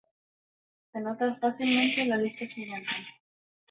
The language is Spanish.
Se nota fácilmente en la lista siguiente.